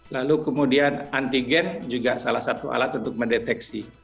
lalu kemudian antigen juga salah satu alat untuk mendeteksi